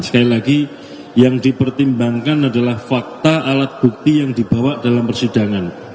sekali lagi yang dipertimbangkan adalah fakta alat bukti yang dibawa dalam persidangan